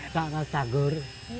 tak ada sagor